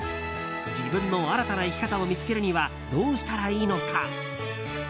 自分の新たな生き方を見つけるにはどうしたらいいのか。